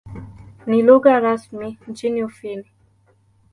Ni lugha rasmi nchini Ufini.